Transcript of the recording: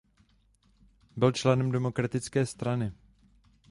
Byl členem Demokratické strany.